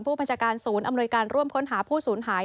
ผู้บัญชาการศูนย์อำนวยการร่วมค้นหาผู้สูญหาย